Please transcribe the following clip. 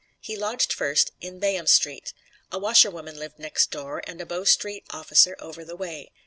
He lodged first in Bayham Street. "A washerwoman lived next door, and a Bow Street officer over the way."